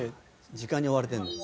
時間に追われてるんだよ。